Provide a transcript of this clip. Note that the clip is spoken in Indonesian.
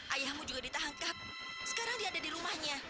ayahmu juga ditangkap sekarang dia ada di rumahnya